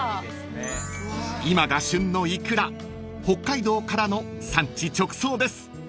［今が旬のいくら北海道からの産地直送です］